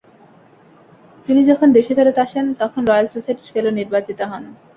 তিনি যখন দেশে ফেরত আসেন, তখন রয়েল সোসাইটির ফেলো নির্বাচিত হন।